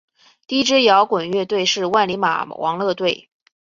第一支摇滚乐队是万李马王乐队。